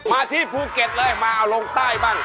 มาที่ภูเก็ตเลยมาเอาลงใต้บ้าง